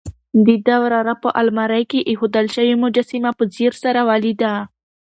د ده وراره په المارۍ کې اېښودل شوې مجسمه په ځیر سره ولیده.